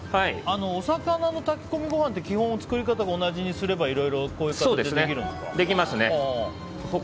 お魚の炊き込みご飯って基本作り方を同じにすればこんな感じでできるんですか？